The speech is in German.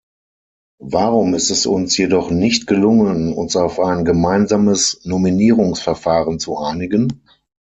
Warum ist es uns jedoch nicht gelungen, uns auf ein gemeinsames Nominierungsverfahren zu einigen?